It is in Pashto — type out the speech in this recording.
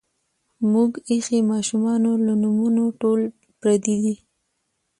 مونږ ایخي مـاشومـانو لـه نومـونه ټول پردي دي